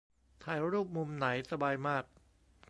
ถ่ายรูปมุมไหนสบายมาก